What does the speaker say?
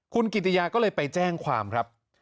คุณกิติยาก็เลยไปแจ้งความครับ